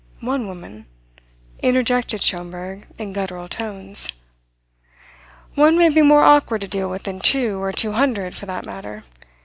"One woman?" interjected Schomberg in guttural tones. "One may be more awkward to deal with than two, or two hundred, for that matter.